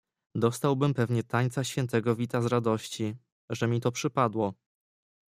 "Dostałbym pewnie tańca świętego Wita z radości, że mi to przypadło."